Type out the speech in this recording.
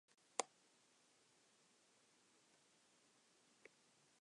According to the twins, Marsha had numerous lesbian lovers including some quite famous women.